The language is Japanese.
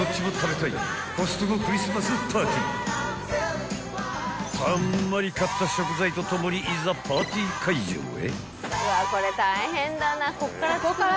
［たんまり買った食材と共にいざパーティー会場へ］